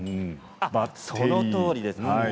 そのとおりです。